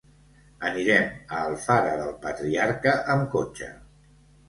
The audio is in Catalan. Anirem a Alfara del Patriarca amb cotxe.